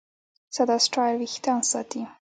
ساده سټایل وېښتيان ساتي.